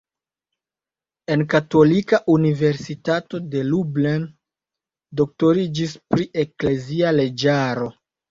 En Katolika Universitato de Lublin doktoriĝis pri eklezia leĝaro.